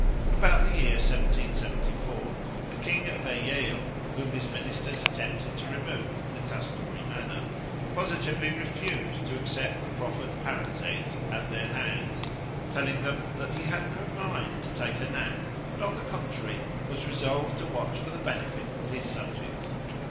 About the year 1774, a king of Eyeo, whom his ministers attempted to remove in the customary manner, positively refused to accept the proffered parrots' eggs at their hands, telling them that he had no mind to take a nap, but on the contrary was resolved to watch for the benefit of his subjects.